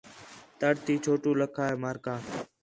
تڑ تی چھوٹو لَکھا ہے مارکہ